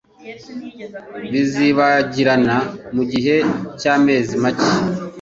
Bizibagirana mugihe cyamezi make.